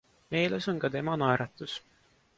Meeles on ka tema naeratus.